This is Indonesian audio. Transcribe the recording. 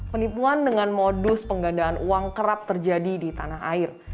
penipuan dengan modus penggandaan uang kerap terjadi di tanah air